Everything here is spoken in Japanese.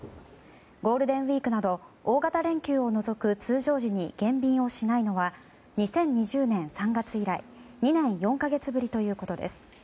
ゴールデンウィークなど大型連休を除く通常時に減便をしないのは２０２０年３月以来２年４か月ぶりということです。